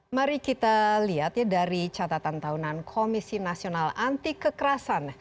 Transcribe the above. mari kita lihat ya dari catatan tahunan komisi nasional anti kekerasan